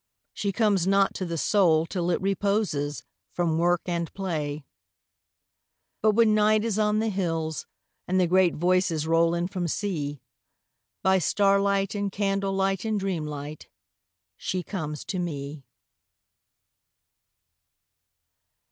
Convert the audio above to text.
She comes not to the Soul till it reposes From work and play. But when Night is on the hills, and the great Voices Roll in from Sea, By starlight and candle light and dreamlight She comes to me.